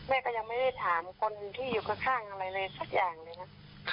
ยังไม่ได้ถามคนที่อยู่ข้างอะไรเลยสักอย่างเลยนะ